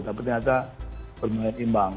tapi ternyata bermain imbang